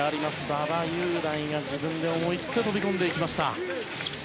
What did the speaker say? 馬場雄大が自分で思い切って飛び込んでいきました。